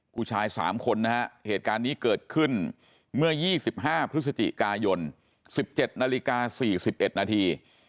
ผู้ชาย๓คนนะฮะเหตุการณ์นี้เกิดขึ้นเมื่อ๒๕พฤศจิกายน๑๗นาฬิกา๔๑นาที